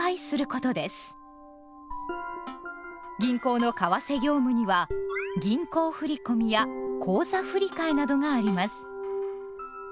銀行の為替業務には「銀行振込」や「口座振替」などがあります。